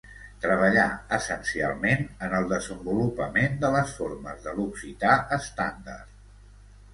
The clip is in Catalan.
Treballà essencialment en el desenvolupament de les formes de l'occità estàndard.